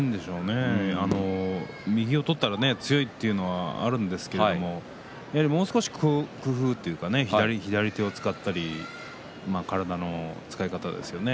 右を取ったら強いというのはあるんですけれどもう少し工夫というかね左手を使ったり体の使い方ですよね